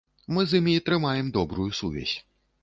Мы з імі трымаем добрую сувязь.